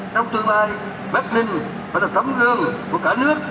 trong tương lai bắc ninh phải là tấm gương của cả nước